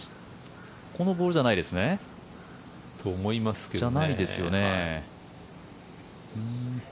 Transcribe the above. このボールじゃないですね。と思いますけども。